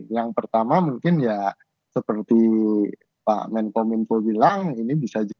yang pertama mungkin ya seperti pak menko minfo bilang ini bisa jadi